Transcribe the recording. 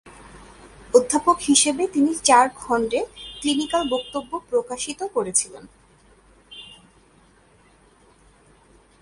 অধ্যাপক হিসাবে তিনি চারটি খণ্ডে ক্লিনিক্যাল বক্তব্য প্রকাশিত করেছিলেন।